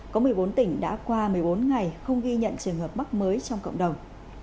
có một mươi bốn tỉnh đã qua một mươi bốn ngày không ghi nhận trường hợp mắc mới trong cộng đồng